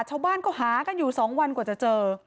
ชาวบ้านก็หากันอยู่๒วันกว่าจะเจอ